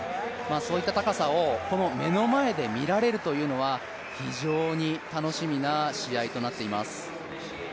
そういった高さをこの目の前で見られるというのは非常に楽しみな試合となっています。